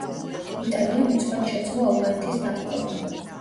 იტალიამ უცბად შეძლო ალბანეთის დაპყრობა.